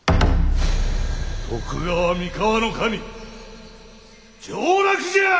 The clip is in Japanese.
徳川三河守上洛じゃ！